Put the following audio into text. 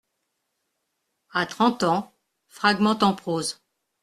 A trente ans, fragment en prose.